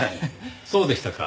そうでしたか。